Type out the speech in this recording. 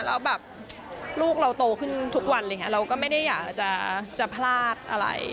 แล้วแบบลูกเราโตขึ้นทุกวันอะไรอย่างนี้เราก็ไม่ได้อยากจะพลาดอะไร